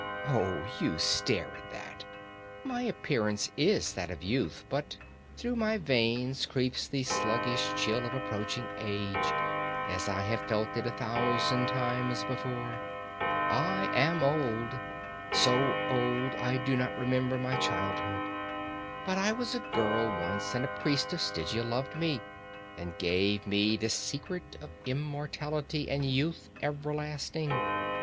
Oh, you stare at that! My appearance is that of youth, but through my veins creeps the sluggish chill of approaching age, as I have felt it a thousand times before. I am old, so old I do not remember my childhood. But I was a girl once, and a priest of Stygia loved me, and gave me the secret of immortality and youth everlasting.